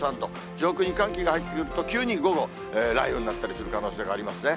上空に寒気が入ってくると、急に午後、雷雨になったりする可能性がありますね。